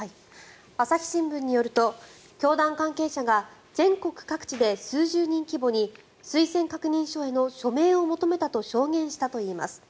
朝日新聞によると教団関係者が全国各地で数十人規模に推薦確認書への署名を求めたと証言したといいます。